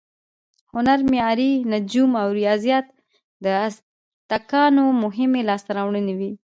هنر، معماري، نجوم او ریاضیاتو د ازتکانو مهمې لاسته راوړنې وې.